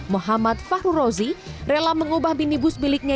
muhammad fahrul rozi rela mengubah minibus biliknya